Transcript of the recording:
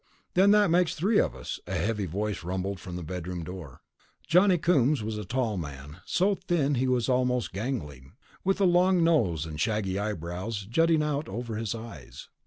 "Then that makes three of us," a heavy voice rumbled from the bedroom door. Johnny Coombs was a tall man, so thin he was almost gangling, with a long nose and shaggy eyebrows jutting out over his eyes.